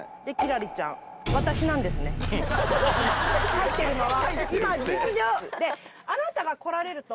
入ってるのは。